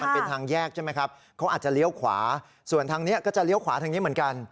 มันเป็นทางแยกใช่ไหมครับเขาอาจจะเลี้ยวขวาส่วนทางนี้ก็จะเลี้ยวขวาทางนี้เหมือนกัน